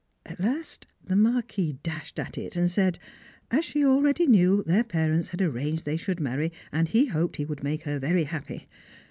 At last the Marquis dashed at it, and said, as she already knew, their parents had arranged they should marry, and he hoped he would make her happy.